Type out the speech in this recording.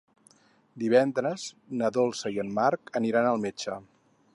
Divendres na Dolça i en Marc aniran al metge.